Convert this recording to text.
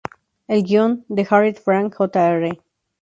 El guion, de Harriet Frank, Jr.